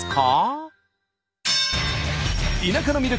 田舎の魅力！